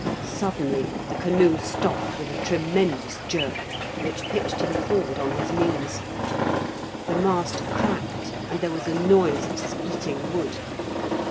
Suddenly the canoe stopped with a tremendous jerk, which pitched him forward on his knees, the mast cracked, and there was a noise of splitting wood.